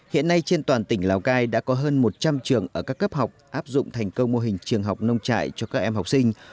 hiện nay trên toàn tỉnh lào cai đã có hơn một trăm linh trường ở các cấp học áp dụng thành công mô hình trường học nông trại cho các em học sinh